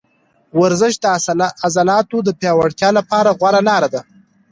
ورزش د عضلاتو د پیاوړتیا لپاره غوره لاره ده.